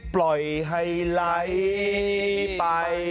ปล่อยให้ไหลไป